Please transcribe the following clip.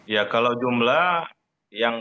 ya kalau jumlah yang